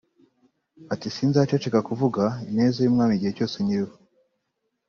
Ati “sinzaceceka kuvuga ineza y’Umwami igihe cyose nyiriho